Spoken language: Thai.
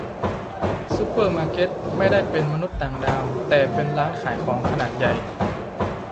ซูเปอร์มาร์เก็ต ไม่ได้เป็นมนุษย์ต่างดาว แต่เป็นร้านขายของขนาดใหญ่